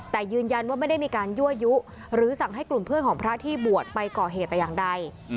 แต่ยืนยันว่าไม่ได้มีการยั่วยุหรือสั่งให้กลุ่มเพื่อนของพระที่บวชไปก่อเหตุแต่อย่างใด